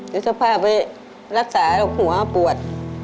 จะพาไปรักษาหัวปวด